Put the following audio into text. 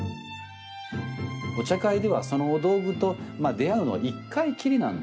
お茶会ではそのお道具とまあ出会うのは一回きりなんですね。